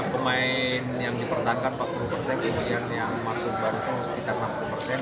pemain yang dipertahankan empat puluh persen kemudian yang masuk baru sekitar enam puluh persen